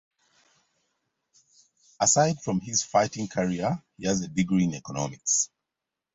Aside from his fighting career, he has a degree in economics.